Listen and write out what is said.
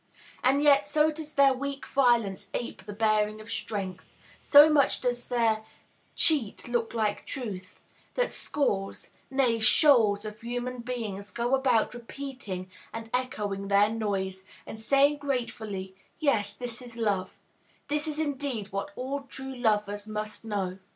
And yet, so does their weak violence ape the bearing of strength, so much does their cheat look like truth, that scores, nay, shoals of human beings go about repeating and echoing their noise, and saying, gratefully, "Yes, this is love; this is, indeed, what all true lovers must know."